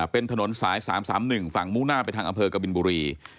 เป็นถนนสาย๓๓๑ฝั่งมุ่งหน้าไปทางอำเภอกบินบุรี